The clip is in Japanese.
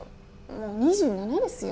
もう２７ですよ？